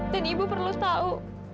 dan ibu perlu tahu